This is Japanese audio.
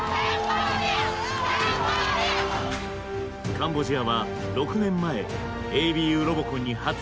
カンボジアは６年前ＡＢＵロボコンに初参加。